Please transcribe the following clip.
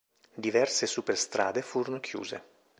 Diverse superstrade furono chiuse.